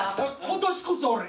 今年こそ俺！